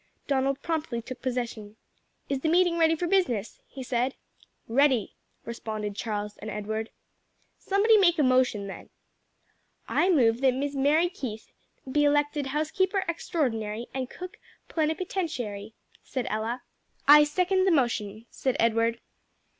Donald promptly took possession. "Is the meeting ready for business?" he asked. "Ready!" responded Charles and Edward. "Somebody make a motion, then." "I move that Miss Mary Keith be elected housekeeper extraordinary and cook plenipotentiary," said Ella. "I second the motion," said Edward.